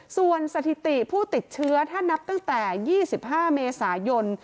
ส่วนสถิติผู้ติดเชื้อถ้านับตั้งแต่๒๕เมษายน